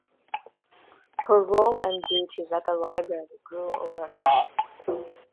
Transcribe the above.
Her role and duties at the Library grew over time.